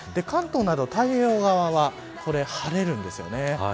関東など太平洋側は晴れるんですよね。